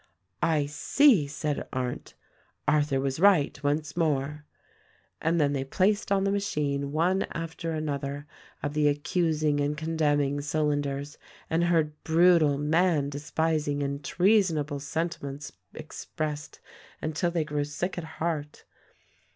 "I see!" said Arndt. "Arthur was right, once more." And then they placed on the machine one after another of the accusing and condemning cylinders and heard brutal, man despising and treasonable sentiments expressed until they grew sick at heart.